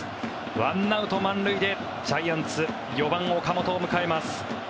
１アウト満塁でジャイアンツ４番、岡本を迎えます。